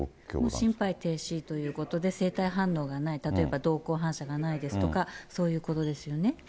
もう心肺停止ということで、生体反応がない、例えば瞳孔反射がないですとか、そういうことですよね。